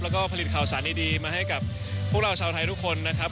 แล้วก็ผลิตข่าวสารดีมาให้กับพวกเราชาวไทยทุกคนนะครับ